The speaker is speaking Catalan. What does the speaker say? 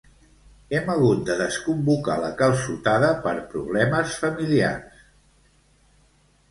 Hem hagut de desconvocar la calçotada per problemes familiars